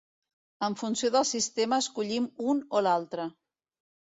En funció del sistema escollim un o l'altre.